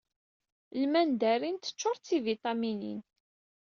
Lmandarin teččuṛ d tibiṭaminin.